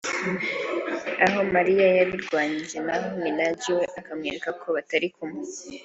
aho Maria yabirwanyijwe naho Minaj we akamwereka ko batari kumwe